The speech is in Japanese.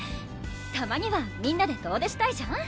たまにはみんなで遠出したいじゃん？